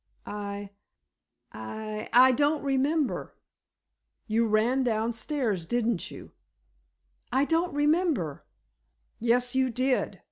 "I—I—I don't remember." "You ran downstairs, didn't you?" "I don't remember——" "Yes, you did!"